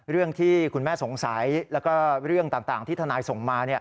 เรื่องที่คุณแม่สงสัยแล้วก็เรื่องต่างที่ทนายส่งมา